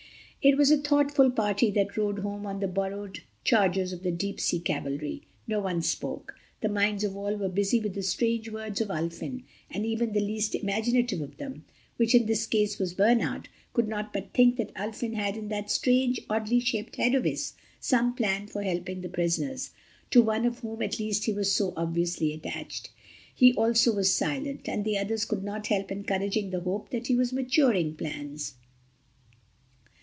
It was a thoughtful party that rode home on the borrowed chargers of the Deep Sea Cavalry. No one spoke. The minds of all were busy with the strange words of Ulfin, and even the least imaginative of them, which in this case was Bernard, could not but think that Ulfin had in that strange oddly shaped head of his, some plan for helping the prisoners, to one of whom at least he was so obviously attached. He also was silent, and the others could not help encouraging the hope that he was maturing plans.